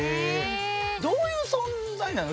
どういう存在なの？